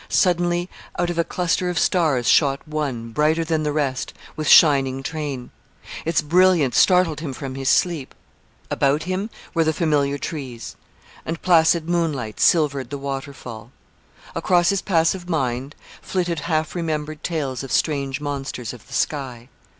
Suddenly, out of a cluster of stars shot one, brighter than the rest, with shining train. Its brilliance startled him from sleep. About him were the familiar trees, and placid moonlight silvered the waterfall. Across his passive mind flitted half remembered tales of strange monsters of the sky.